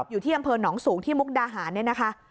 อยู่ที่อำเภอหนองสูงที่มุกดาหารเนี่ยนะคะ